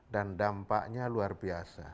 dan dampaknya luar biasa